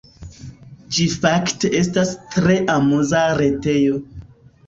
Ĝi fakte estas tre amuza retejo.